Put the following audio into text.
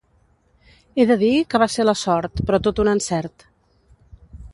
He de dir que va ser la sort però tot un encert.